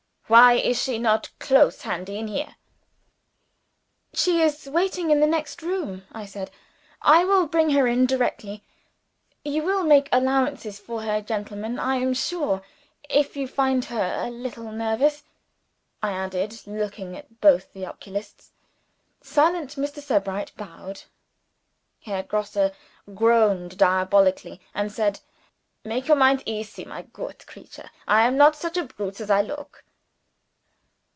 "Why is she not close handy in here?" "She is waiting in the next room," I said. "I will bring her in directly. You will make allowances for her, gentlemen, I am sure, if you find her a little nervous?" I added, looking at both the oculists. Silent Mr. Sebright bowed. Herr Grosse grinned diabolically, and said, "Make your mind easy, my goot creature. I am not such a brutes as I look!"